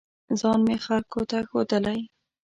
ځان مې خلکو ته ښودلی